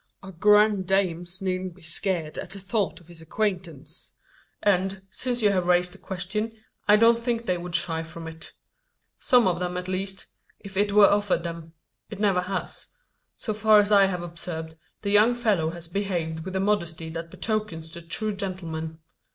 Our grand dames needn't be scared at the thought of his acquaintance; and, since you have raised the question, I don't think they would shy from it some of them at least if it were offered them. It never has. So far as I have observed, the young fellow has behaved with a modesty that betokens the true gentleman.